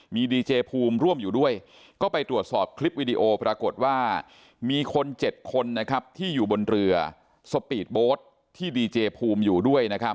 มีดีเจฟูมร่วมอยู่ด้วยก็ไปตรวจสอบคลิปวิดีโอปรากฏว่ามีคน๗คนที่อยู่บนเรือที่ดีเจฟูมอยู่ด้วย